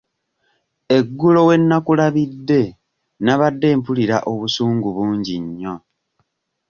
Eggulo we nnakulabidde nabadde mpulira obusungu bungi nnyo.